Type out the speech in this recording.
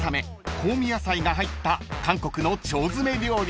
香味野菜が入った韓国の腸詰め料理］